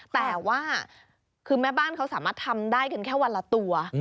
แต่ว่าคือแม่บ้านเขาสามารถทำได้กันแค่วันละตัว